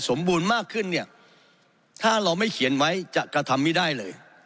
สมบูรณ์มากขึ้นเนี่ยถ้าเราไม่เขียนไว้จะกระทำไม่ได้เลย